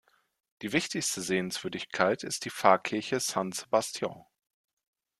Die wichtigste Sehenswürdigkeit ist die Pfarrkirche "San Sebastián".